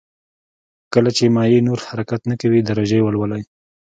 کله چې مایع نور حرکت نه کوي درجه یې ولولئ.